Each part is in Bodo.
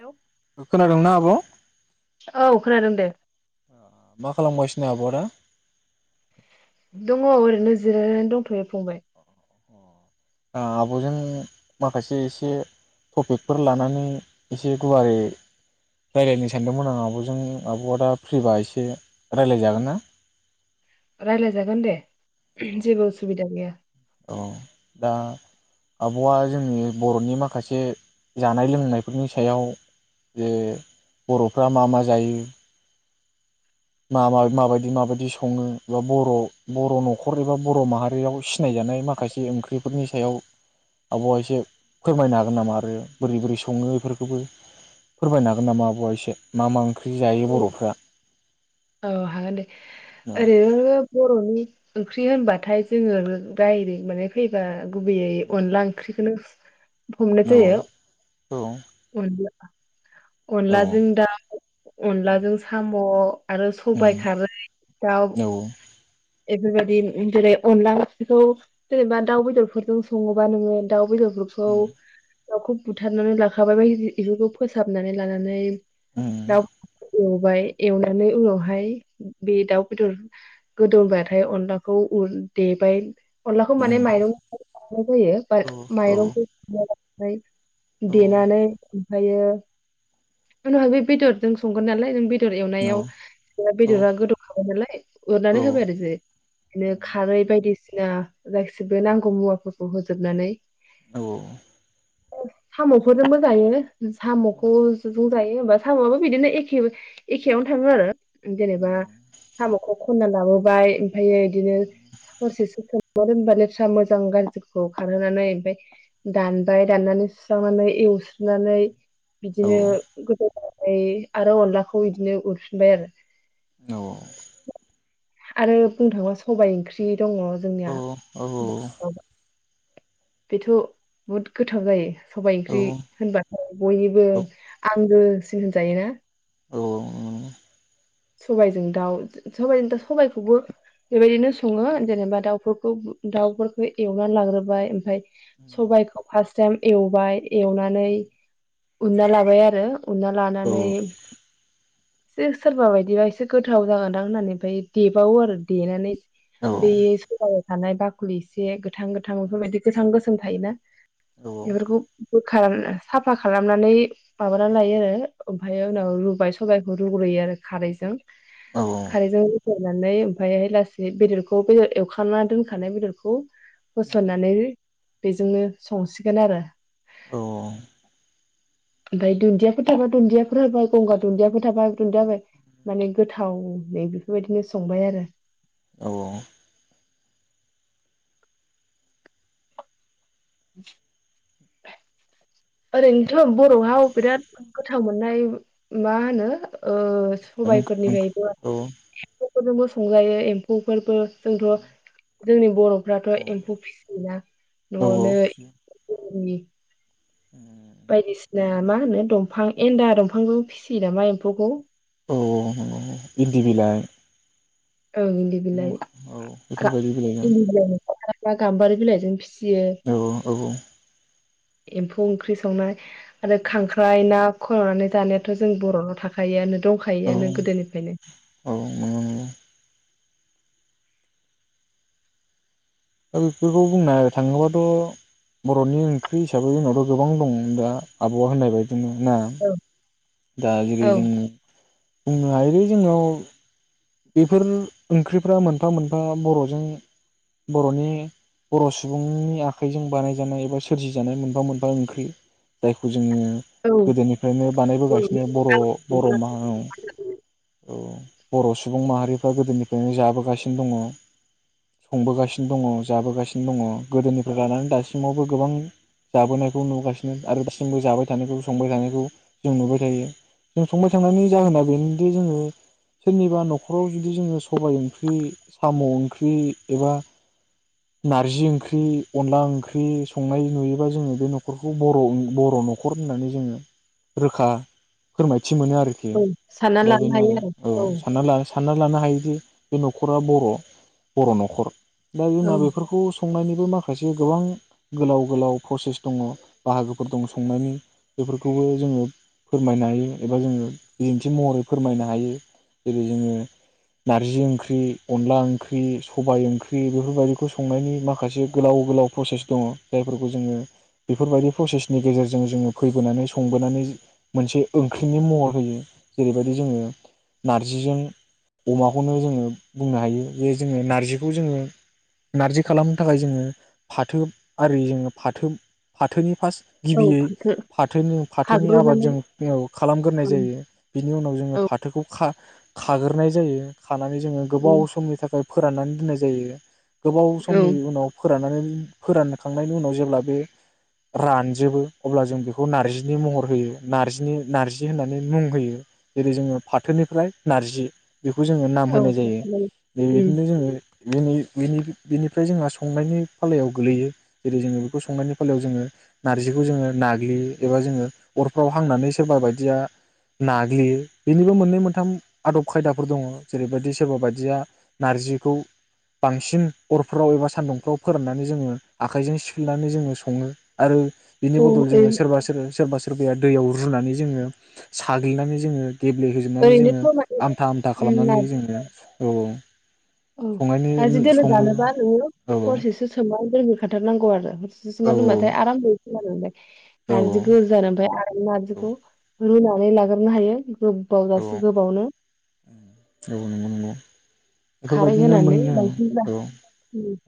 हेलौ खोनादोंना आब'? औ खोनादों दे। मा खालामगासिनो आब'आ दा? दङ ओरैनो जिरायनानै दंथ'यो फंबाय। आं आब'जों माखासे एसे टपिकफोर लानानै एसे गुवारै रायलायनो सानदोंमोन आं आब'जों आब'आ दा फ्रिबा एसे रायलायजागोन ना? रायलाय जागोन दे जेबो उसुबिदा गैया। औ दा आब'आ जोंनि बर'नि माखासे जानाय लोंनायफोरनि सायाव जे बर'फ्रा मा मा जायो। मा मा माबायदि माबायदि सङो एबा बर' बर' न'खर एबा बर' माहारियाव सिनायजानाय माखासे ओंख्रिफोरनि सायाव आब'आ एसे फोरमायनो हागोन नामा? आरो बोरै बोरै सङो एफोरखौबो फोरमायनो हागोन नामा आब'वा एसे मा मा ओंख्रि? ख्रि जायो बर'फ्रा। औ हागोनदे औ ओरैनो बर'नि। ओंख्रि होनबाथाय जोङो डाइरेक्ट माने फैबा। गुबैयै अनला ओंख्रिखोनो। [inaudible] हमनाय औ जायो उनजा औ अनलाजों दाउ अनलाजों साम' आरो सबायइ उम खारै दाउ औ बेफोरबायदिनो जेरै अनला ओंख्रिखौ जेनोबा दाउ बेदरफोरजों सङोबा नोङो दाउ बेदर बेखौ उम दाउखौ बुथारनानै लाखानानै इफोरखौ फो साबनानै लानानै उम दाउ एवबाय एवना माने उनावहाय बे दाउ बेदर गोदौबाथाय अनला खौ उन देबाय। अनलाखौ माने माइरंनिफ्राय बानायनाय जायो बाद औ औ माइरंखौ फ्राय औ देनानै ओमफ्रायो उनावहाय बे बेदरजों संगोन नालाय नों बे दर एवनायाव औ बेदरा गोदौखाबाय नालाय एरनानै होबाय आरो जे बिदिनो खारै बायदिसि सिना गासिबो नांगौ मुवाफोरखौ होजोबनानै औ साम'खौबो मोजाङैनो साम' [unintelligible] साम'आबो बिदिनो एखे एखेयावनो थाङो आरो। जेनेबा साम'खौ खनना लाबोबाय ओमफ्रायो इदिनो हरसेसो सोमना दोनबा लेथ्रा मोजां गाज्रिखौ खारहोनानै ओमफ्राय दानबाय दाननानै सुस्रांनानै एव स्रोनानै बिदिनो गोबाव [unintelligible] आरो अनलाखौ इदिनो उरफिनबाय आरो। औ आरो बुंनो थाङोबा सबाइ ओंख्रि दङ' जोंनिया बेथ' बुहुद गोथाव जायो। सबाय ओंख्रि होनबाथाय बयनिबो आंगो सै होनजायो ना? सबायजों दाउ सबायजों दा सबाइखौबो बेबायदिनो सङो जेनबा दाउफोर खौ दाउफोरखौ एवनानै लाग्रोबाय ओमफ्राय सबाइखौ फार्स टाइम एवबाय एवनानै उनना लाबाय आरो। उना लानानै जे सोरबा बाय दिबा एसे गोथाव जागोनदां होननानै ओमफ्राय देबावो आरो देनानै औ औ बे [unintelligible] थानाय बाखुलि इसे गोथां गोथां औ बेफोरबायदि गोथां गो सोम थायोना। औ एफोरखौ खार साफा खालामनानै माबानानै लायो फियो आरो ओमफ्रायो उनाव रुबाय सबाय रुग्रोयो आरो। खारैजों खारैजों रुगोर नानै ओमफ्रायहाय लासैयै बेदरखौ बेदर एवखना दोनखानाय बेदरखौ होसनानै बेजोंनो संसिगोन आरो। औ औ औ ओमफ्राय दुनदियाफोर थाबा दुनदियाफोर होबाय गंगार दुनदियाफोर थाबा दुनदिया होबाय। माने गोथावै बेफोरबायदिनो संबाय आरो। औ औ [inaudible] ओरैनो बर'वाव बिराद गोथा थाव मोननाय मा होनो ओ औ सबाइफोरनिफ्रायबो फोरजोंबो संजायो एमफौफोरबो। जोंथ' जोंनि बर' फ्राथ' एम्फौ फिसियोना। औ औ न'आवनो [inaudible] [unintelligible] बायदिसिना मा होनो दंफां एन्दा दंफांदों फिसियो नामा एम्फौखौ औ औ औ नंगौ नंगौ इन्दि बिलाइ। ओं इन्दि बिलाइ औ गा बेफोरबायदि बिलाइजों इन्दि बिलाइनि खायफा गाम्बारि बिलायजों फिसि औ औ। एम्फौ ओंख्रि संनाय आरो खांख्राइ ना खननानै जानायाथ' जोंनि बर'नाव थाखायोआनो। औ दंखायोआनो गोदोनिफ्रायनो। औ नंगौ नंगौ दा बेफोरखौ बुंनाय थाङोबाथ बर'नि ओंख्रि हिसाबै जोंनावथ' गोबां दं दा आब'आ होननाय बायदि। [unintelligible] ना औ दागिरिजों बुंनो हायोलै जोंनाव बेफोर ओंख्रिफ्रा मोनफा मोनफा बर'जों बर'नि बर' सुबुंनि आखाइजों बानायजानाय एबा सोरजिजानाय मोनफा मोनफा ओंख्रि जायखौ जों जोङो औ गोदोनिफ्रायनो बर'नि बानायबोगासिनो बर' बर' माहा औ औ खरस सुबुं माहारिफ्रा गोदोनिफ्रायनो जाबोगासिनो दङ संबोगासिनो दङ जाबोगासिनो दङ गोदोनिफ्राय लानानै दासिमावबो गोबां जाबोनायखौ नुगासिनो आरो दासिमबो जाबाय थानायखौ संबाय थानायखौ जों नुबाय थायो जों संबाय थानायनि जाहोना बेनोदि जोङो सोरनिबा न'खर नख'राव जुदि जोङो सबाय ओंख्रि साम ओंख्रि एबा नारजि ओंख्रि अनला ओंख्रि संनाय नुयोबा जोङो बे न'खरखौ बर' बर' न'खर होननानै जोङो रोखा फोरमाय थि मोनो आरोखि औ सानना दा लानो बेनो हायो आरो औ साननानै लानो सानना लानो हायो दि बे नख'रा बर' बर' न'खर। दा जोंना औ बेफोरखौ संनायनि बो माखासे गोबां गोलाव गोलाव प्रसेस दङ बाहागोफोर दङ संनायनि बेफोरखौबो जोङो फोरमायनो हायो एबा जोङो बिदिन्थि महरै फोरमायनो हायो जेरै जोङो नारजि ओंख्रि अनला ओंख्रि सबाय ओंख्रि बेफोरबायदिखौ संनायनि माखासे गोलाव गोलाव प्रसेस दङ जायफोरखौ जोङो बेफोरबायदि प्रसेसनि गेजेरजों जोङो फैबोनानै संबोनानै मोनसे ओंख्रिनि महर होयो जेरैबायदि जोङो नारजिजों अमाखौनो जोङो बुंनो हायो जे जोङो नारजिखौ जोङो नारजि खालामनो थाखाय जोङो फाथो आरि जोङो फाथो फाथोनि फार्स्ट औ गिबियै फाथो फाथोनि फाथोनि आबाद खाग्रोनानै जोंनियाव खालामग्रोनाय औ जायो बिनि उनाव जोङो औ फाथोखौ खा खागोर नाय जायो। खानानै जोङो गोबाव समनि थाखाय फोराननानै दोननाय जायो। गोबाव समनि औ उनाव। फोराननानै फोरानखांनायनि उनाव जेब्ला बे रानजोबो अब्ला जों बेखौ नार्जिनि महर होयो नार्जिनि नार्जि होननानै मुं होयो जेरै जोङो फाथोनिफ्राय नार्जि बेखौ जोङो नाम औ होनाय जायो बेबायदिनो जोङो [unintelligible] बेनिफ्राय जोंहा संनायनि फालायाव गोलैयो जेरै जोङो बेखौ संनायनि फालायाव जोङो नार्जिखौ जोङो नाग्लियो एबा जोङो अरफ्राव हांनानै सोरबा बायदिया नाग्लियो बेनिबो मोननै मोनथाम आदब खायदाफोर दङ जेरैबायदि सोरबा बायदिया नार्जिखौ बांसिन अरफ्राव एबा सान्दुंफ्राव फोराननानै जोङो आखाइजों सिफ्लेनानै जोङो सङो आरो बिनि बदल औ जोङो सोरबा सोरो सोरबा सोर सोरबाया दैयाव रुनानै जोङो साग्लिनानै जोङो गेब्ले होजोबनानै जोङो ओरैनोथ' औ आमथा आमथा खालामनानै जोङो औ उम नार्जि संनायनि दोलो सङो जानोबा औ नोङो औ हरसेसो सोमना दोनग्रोखाथारनांगौ आरो हरसेसो औ सोमना दोनबाथाय आराम रुयो। ज दा [unintelligible] नारजिखौ [unintelligible] जाना ओमफ्राय औ नारजिखौ रुनानै लाग्रोननो हायो ब औ गोबावजासो गोबावनो। औ नंगौ नंगौ। खारै बेफोरबायदिनो होनानै मोनै बांसिन जा- औ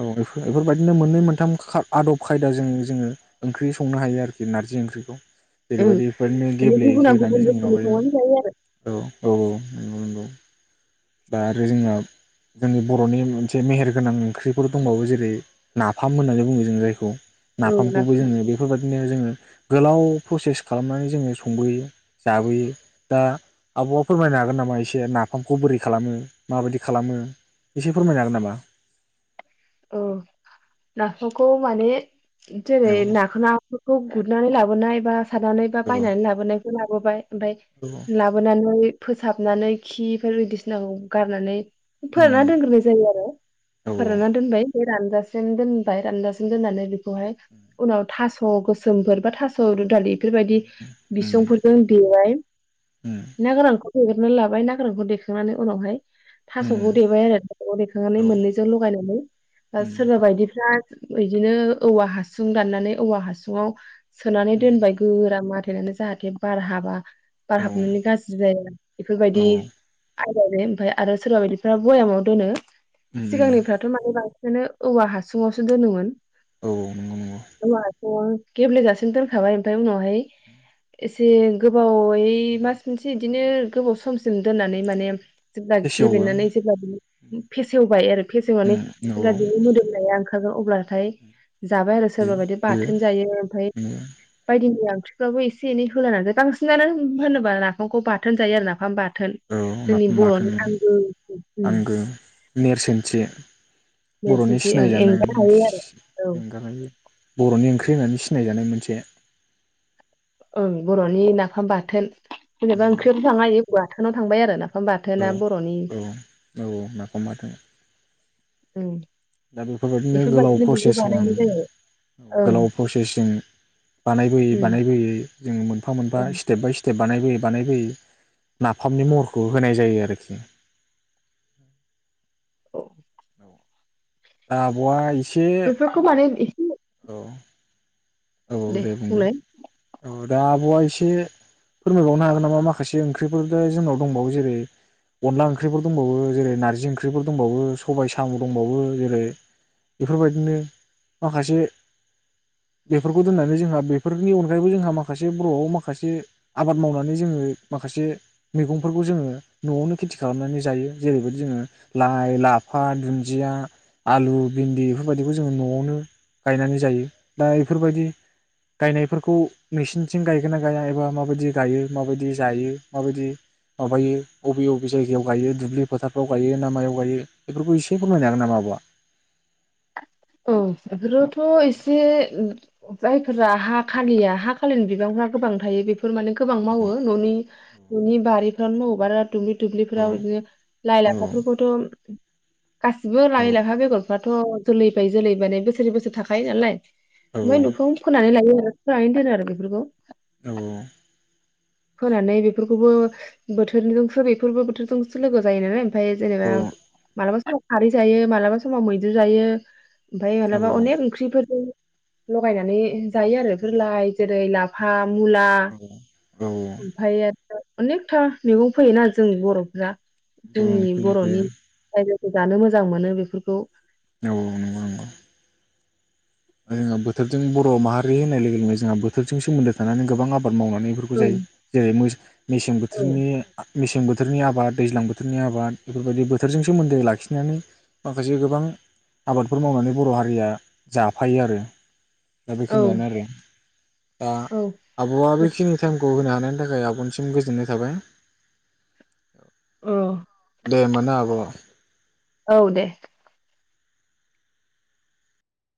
औ बेफोरबायदिनो मोननै मोनथाम खा आदब खायदाजों जोङो ओंख्रि संनो हायो आरोखि नारजि ओंख्रिखौ ओं जेरैबायदि बेफोरनो माने गेब्ले गुबुना होनानै गुबुन जोङ रोखोमै माबायो संनानै जायो आरो औ औ औ। नंगौ । दा आरो जोंहा जोंनि बर'नि मोनसे मेहेर गोनां ओंख्रिफोर दंबावो जेरै नाफाम होननानै बुङो जों जायखौ। औ नाफामखौबो नाफाम जोङो बेफोरबायदिनो जोङो गोलाव प्रसेस खालामनानै जोङो संबोयो जाबोयो दा आब'आ फोरमायनो हागोन नामा एसे नाफामखौ बोरै खालामो माबायदि खालामो एसे फोरमायनो हागोन नामा? औ नाफामखौ माने जेरै औ नाखौ नाफोरखौ गुरनानै लाबो अ नायबा सारनानै बा औ बायनानै लाबोनायखौ लाबोबाय ओमफ्राय औ लाबोनानै फोसाबनानै खिफोर बायदिसिनाखौ गारनानै फोरानना उम दोनग्रोनाय जायो आरो औ फोराननानै रानजासिम दोनबाय रानजासिम दोननानै बेखौ बेखौहाय उनाव था ह गोसोमफोर बा थास' रु दालि बेफोरबायदि उम बिसंफोरजों देबाय उम ना गोरानखौ देग्रोना लाबाय ना गोरानखौ देखांनानै उनावहाय उम थास'खौ देबाय आरो थास'खौ देखांनानै औ मोननैजों लगायनानै उम सोरबा बायदिफ्रा दा इदिनो औवा हासुं दाननानै औवा हासुुंआव सोनानै उम दोनबाय गोरा मारि होथेनानै जाहाथे बार हाबा। बार औ हाबनानै गाज्रि जायो औ बेफोरबायदि ओमफ्राय आरो सोरबा बायदिफ्रा भयामाव दोनो। उम उम सिगांनिफ्राथ' माने बां बिनो औवा हासुङावसो दोनोमोन। औ नंगौ नंगौ औवा हा अ गेब्लेेजासिम दोनखाबाय ओमफाय उनावहाय एसे गोबावै उम, मास मोनसे इदिनो गोबाव समसिम दोननानै माने। जेब्ला फेसेवो गेब्लेनानै उम, जेब्ला बियो फेसेवबाय आरो फेसेवनानै। औ जेब्ला औ बिनि मोदोमनाया ओंखारगोन अब्लाथाय जाबाय आरो बे सोरबा बायदि बेयो बाथोन जायो ओमफाय नंगौ। बायदिमैया ओंख्रि बाबो एसे एनै होलानानै बांसिनानो होनोबा नाफामखौ बाथोन जायो आरो नाफाम बा थोन औ जोंनि नाफाम बाथोन बर'नि आंगो आंगो नेरसोनथि [unintelligible] बर'नि ओं सिनायजानाय एंगार हायो आरो औ एंगारहायि बर'नि। ओंख्रि होनानै सिनायजानाय मोनसे। ओं बर'नि नाफाम बाथोन। जेनेबा उम, ओंख्रियावबो जानो हायो। बाथोनाव थांबाय आरो ना। ना औ बाथोना बर'नि। औ औ नाफाम बाथोन उम। दा बेफोरबायदिनो गोलाव प्रसेसजोंं बानायनाय जायो ओं गोलाव प्रसेसजों बानायबोयै उम बानायबोयै। जों मोनफा मोनफा ओं स्टेफ बाय स्टे बानायबोयै बानायबोयै नाफामनि महरखौ होनाय जायो आरखि। औ। आब'आ इस बेफोरखौ माने इसे। औ दे बुं दे औ दा आब'या इसे फोरमायबावनो हागोन नामा माखासे ओंख्रिफोर दा जोंनाव दंबावो जेरै अनला ओंख्रिफोर दंबावो जेरै नारजि ओंख्रिफोर दंबावो सबाय साम' दंबावो जेरै बेफोरबायदिनो माखासे। बेफोरखौ दोननानै जोंहा बेफोरनि अनगायैबो जोंहा माखासे बर'आव माखासे आबाद मावनानै जोङो माखासे मैगंफोरखौ जोङो न'आवनो खेथि खालामनानै जायो जेरैबायदि जोङो लाइ लाफा दुन्दिया आलु भिन्दि बेफोरबायदिखौ जोङो न'आवनो गायनानै जायो दा बेफोरबायदि गायनायफोरखौ नोंसिनिथिं गायगोन ना गाया एबा माबायदि गायो माबायदि जायो माबायदि माबायो अबे अबे जायगायाव गायो दुब्लि फोथारफ्राव गायो ना मायाव गायो बेफोरखौ इसे फोरमायनो हागोन नामा आब'आ? औ बेफोरोथ' इसे जायफोरा हा खालिया हा खालिनि बिबांफ्रा गोबां थायो बेफो फोर माने गोबां औ मावो न'नि न'नि बारि । [unintelligible] औ दुब्लिफोराव बिदिनो लाइ औ लाफाफोरखौथ'। गासिबो औ लाय लाफा बेगरफ्रा थ जोलैप बाय जोलै माने बोसोरै बोसोरै थाखायो नालाय। औ ओमफाय न'फ्राव फोनानै लायो आरो। फोनानै दोनो आरो बेफोरखौ। औ औ। फोनानै बेफोरखौबो बोथोरजोंसो बेफोरबो बोथोरजोंसो लोगो जायो नालाय। फाय जेनेबा औ मालाबा समाव खारै जायो मालाबा समाव मैद्रु जायो । ओमफाय मालाबा अनेक ओंख्रिफोरजों लगायनानै जायो आरो बेफोर लाय जेरै लाफा मुला औ ओमफाय ओ अनेकथा मैगं फोयोना जों बरफ्रा औ जोंनि फैयो फैयो औ बरनि [unintelligible] जानो मोजां मोनो बेफोरखौ औ औ नंगौ नंगौ जोंहा बोथोरजों बर माहारि होननाय लोगो लोगोनो जोंहा बोथोरजों सोमोन्दो थानानै गोबां आब बाद मावनानै इफोरखौ औ जायो जेरै मोस मेसें औ बोथोरनि आ मेसें बोथ थोरनि आबाद दैज्लां बोथोरनि आबाद बेफोरबायदि बोथोरजों सोमोन्दो लाखिनानै माखासे गोबां आबादफोर मावनानै बर हारिया जा फायो आरो दा औ बेखिनियानो आरो दा औ आबआ बेखिनि टाइमखौ होनो हाना नि थाखाय आबनिसिम गोजोननाय थाबाय । अ दे होमबा ना आब औ दे